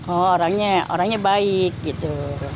oh orangnya baik gitu